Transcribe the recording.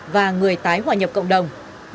và người tái hỏa nhập cộng đồng